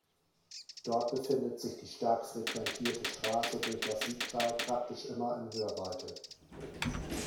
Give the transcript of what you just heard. Dort befindet sich die stark frequentierte Straße durch das Siegtal praktisch immer in Hörweite.